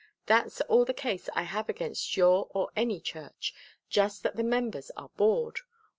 That's all the case I have against your or any church just that the members are bored.